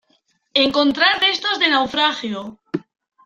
encontrar restos de naufragio